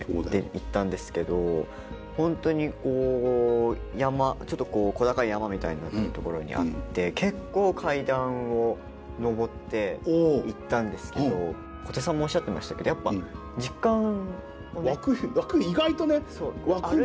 行ったんですけど本当にこうちょっと小高い山みたいになってる所にあって結構階段を上って行ったんですけど小手さんもおっしゃってましたけどやっぱ実感をね。湧く意外とね湧くんだよね。